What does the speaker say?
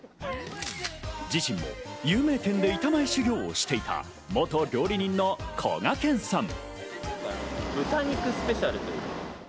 自身も有名店で板前修業をしていた元料理人のこがけんさん。